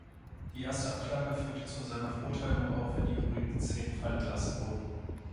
Die erste Anklage führte zu seiner Verurteilung, auch wenn die übrigen zehn fallen gelassen wurden.